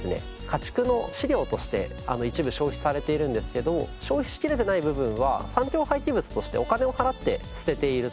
家畜の飼料として一部消費されているんですけど消費しきれてない部分は産業廃棄物としてお金を払って捨てている。